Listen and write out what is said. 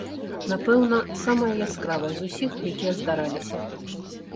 Напэўна, самае яскравае з усіх, якія здараліся.